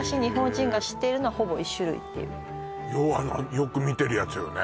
よく見てるやつよね